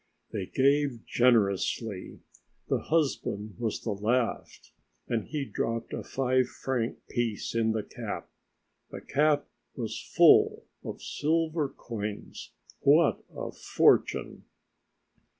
They gave generously; the husband was the last, and he dropped a five franc piece in the cap. The cap was full of silver coins. What a fortune!